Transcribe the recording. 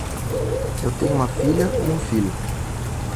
Eu tenho uma filha e um filho.